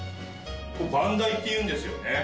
ここ番台っていうんですよね？